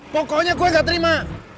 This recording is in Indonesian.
pokoknya gue gak terima